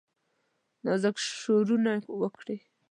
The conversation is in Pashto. نازک شورونه وکړي